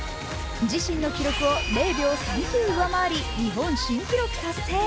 自身の記録を０秒３９上回り日本新記録達成。